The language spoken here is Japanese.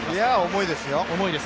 重いですよ。